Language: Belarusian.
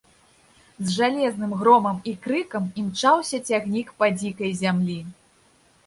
З жалезным громам і крыкам імчаўся цягнік па дзікай зямлі.